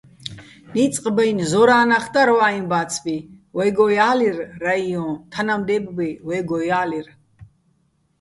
ნიწყ ბაჲნი̆, ზორა́ჼ ნახ დარ ვაჲ ბა́ცბი, ვაჲგო ჲა́ლირ რაიოჼ, თანამდე́ბბი ვაჲგო ჲა́ლირ.